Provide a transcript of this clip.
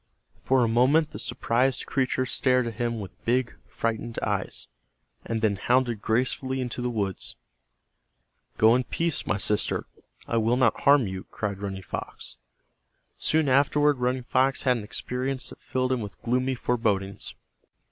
For a moment the surprised creature stared at him with big frightened eyes, and then hounded gracefully into the woods. "Go in peace, my sister, I will not harm you," cried Running Fox. Soon afterward Running Fox had an experience that filled him with gloomy forebodings.